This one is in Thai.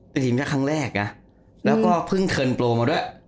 เป็นทีมชาติครั้งแรกนะแล้วก็เพิ่งเคินโปรมาด้วย